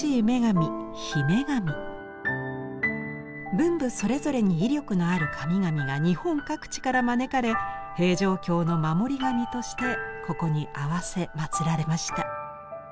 文武それぞれに威力のある神々が日本各地から招かれ平城京の守り神としてここに合わせまつられました。